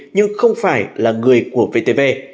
nhưng không phải là người của vtv